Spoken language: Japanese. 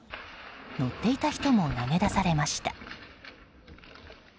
乗っていた人も投げ出されました。